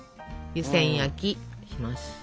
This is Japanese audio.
湯せん焼きします。